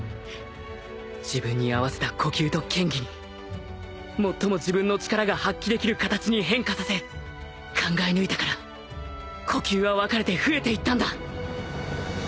自分に合わせた呼吸と剣技に最も自分の力が発揮できる形に変化させ考え抜いたから呼吸は分かれて増えていったんだ